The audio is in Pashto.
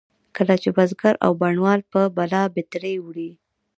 کله چې بزګر او بڼوال به بلابترې وړې.